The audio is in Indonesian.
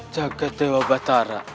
jaga dewa batara